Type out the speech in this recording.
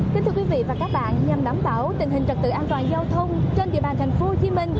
kính thưa quý vị và các bạn nhằm đảm bảo tình hình trật tự an toàn giao thông trên địa bàn tp hcm